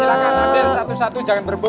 silahkan nanti satu satu jangan berbut